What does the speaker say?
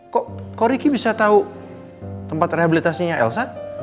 kok riki bisa tau tempat rehabilitasinya elsa